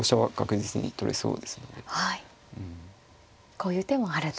こういう手もあると。